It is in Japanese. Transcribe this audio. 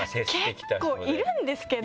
結構いるんですけど。